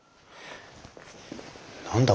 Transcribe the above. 何だ？